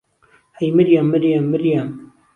ههی مریهم مریهم مریهم